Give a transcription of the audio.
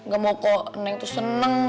gak mau kok neng tuh seneng